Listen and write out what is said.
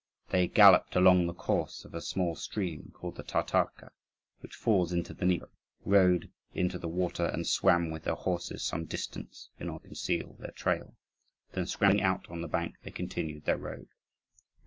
They galloped along the course of a small stream, called the Tatarka, which falls into the Dnieper; rode into the water and swam with their horses some distance in order to conceal their trail. Then, scrambling out on the bank, they continued their road.